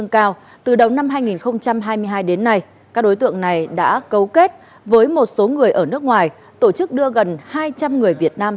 các đối tượng đã cấu kết với một số người ở nước ngoài tổ chức đưa gần hai trăm linh người việt nam